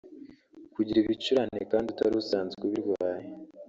kugira ibicurane kandi utari usazwe ubirwaye